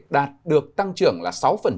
đạt được tăng trưởng là sáu